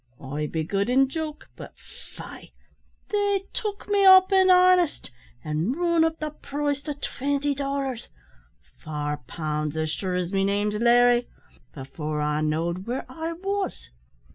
"I begood in joke; but faix they took me up in arnest, an' run up the price to twinty dollars four pounds, as sure as me name's Larry before I know'd where I wos.